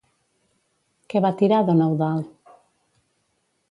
Què va tirar don Eudald?